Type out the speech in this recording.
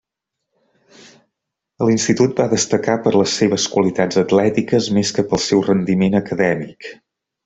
A l'institut va destacar per les seves qualitats atlètiques més que pel seu rendiment acadèmic.